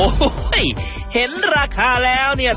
โอ้โหเห็นราคาแล้วเนี่ย